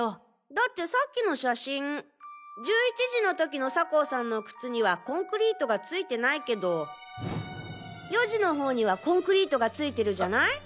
だってさっきの写真１１時の時の酒匂さんの靴にはコンクリートが付いてないけど４時の方にはコンクリートが付いてるじゃない。